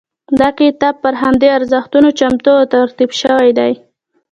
دا کتاب پر همدې ارزښتونو چمتو او ترتیب شوی دی.